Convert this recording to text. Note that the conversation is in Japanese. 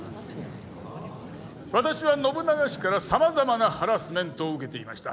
私は信長氏からさまざまなハラスメントを受けていました。